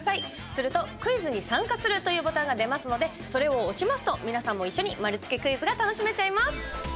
すると「クイズに参加する」というボタンが出ますのでそれを押しますと皆さんも一緒に丸つけクイズが楽しめちゃいます。